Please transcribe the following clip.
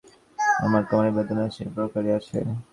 আমার কোমরের বেদনা সেই প্রকারই আছে।